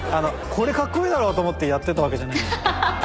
これかっこいいだろうと思ってやってたわけじゃないんで。